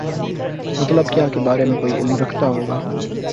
مطلب کیا کے بارے میں کوئی علم رکھتا ہو گا